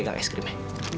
pegang es krimnya